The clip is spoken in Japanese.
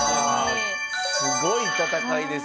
すごい戦いです。